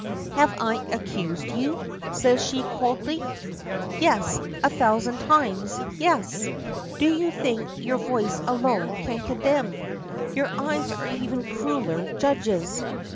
"Have I accused you?" says she, coldly. "Yes, a thousand times, yes. Do you think your voice alone can condemn? Your eyes are even crueller judges."